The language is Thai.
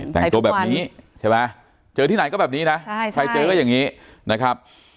แต่งตัวแบบนี้ใช่ไหมเจอที่ไหนก็แบบนี้นะใครเจอก็อย่างนี้นะครับ